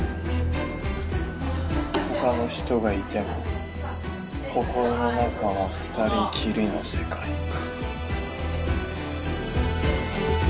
他の人がいても心の中は２人きりの世界か。